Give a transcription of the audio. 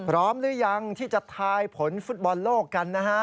พร้อมหรือยังที่จะทายผลฟุตบอลโลกกันนะฮะ